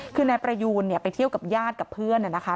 คือนายประยูนเนี่ยไปเที่ยวกับญาติกับเพื่อนนะคะ